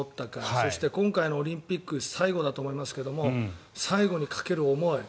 そして今回のオリンピック最後だと思いますが最後にかける思い。